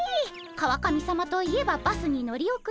川上さまといえばバスに乗り遅れる。